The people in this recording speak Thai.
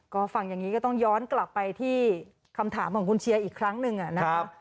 ก็ฟังอย่างนี้ก็ต้องย้อนกลับไปที่คำถามของคุณเชียร์อีกครั้งหนึ่งนะคะ